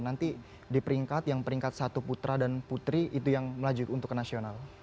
nanti di peringkat yang peringkat satu putra dan putri itu yang melaju untuk ke nasional